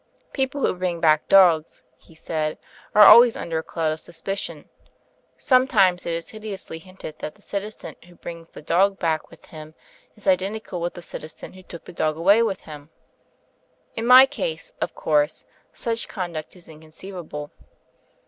"People who bring back dogs/' he said, "are always imder a cloud of suspicion. Sometimes it is hideoudy hinted that the citizen who brings the dog back with him is identical with the citizen who took the dog away with him. In my case, of course, such conduct is in conceivable.